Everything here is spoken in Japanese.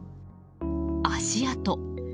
足跡。